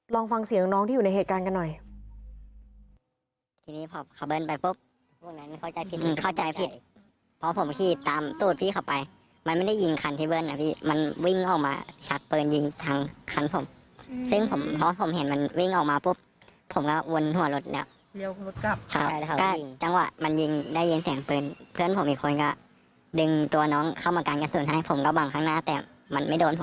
ลองฟังเสียงน้องที่อยู่ในเหตุการณ์กันหน่อย